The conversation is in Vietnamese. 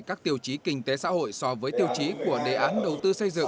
các tiêu chí kinh tế xã hội so với tiêu chí của đề án đầu tư xây dựng